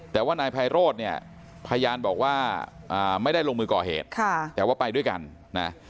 แต่ว่านายไพโรธเนี่ยพยานบอกว่าไม่ได้ลงมือก่อเหตุแต่ว่าไปด้วยกันนะ